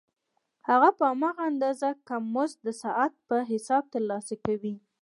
هغه په هماغه اندازه کم مزد د ساعت په حساب ترلاسه کوي